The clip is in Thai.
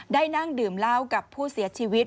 นั่งดื่มเหล้ากับผู้เสียชีวิต